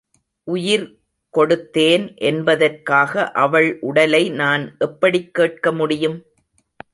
உயிர் கொடுத்தேன் என்பதற்காக அவள் உடலை நான் எப்படிக் கேட்க முடியும்?